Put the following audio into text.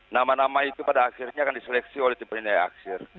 nama nama itu pada akhirnya akan diseleksi oleh tim penindak aksir